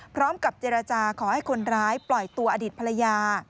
พร้อมกับเจรจาขอให้คนร้ายปล่อยตัวอดีตภรรยา